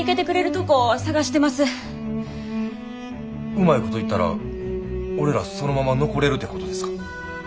うまいこといったら俺らそのまま残れるてことですか？